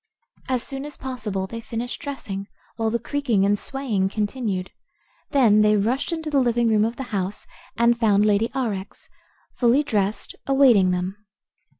As soon as possible they finished dressing, while the creaking and swaying continued. Then they rushed into the living room of the house and found Lady Aurex, fully dressed, awaiting them.